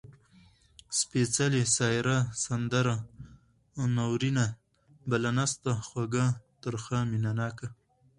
سپېڅلې ، سايره ، سندره، نورينه . بله نسته، خوږَه، ترخه . مينه ناکه